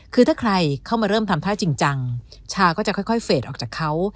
คือถ้าใครเข้ามาเริ่มทำท่าจริงจังชาก็จะค่อยเฟสออกจากเขา